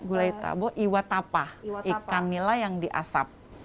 gulai taboh iwat tapah ikan nila yang diasap